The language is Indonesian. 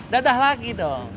dadah lagi dong